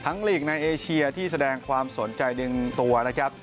ลีกในเอเชียที่แสดงความสนใจดึงตัวนะครับ